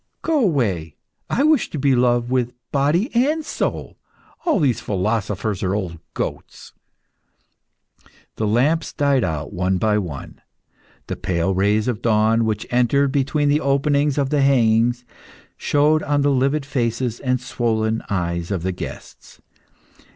Go away! I wish to be loved with body and soul. All these philosophers are old goats. The lamps died out one by one. The pale rays of dawn, which entered between the openings of the hangings, shone on the livid faces and swollen eyes of the guests.